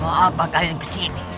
mau apa kalian kesini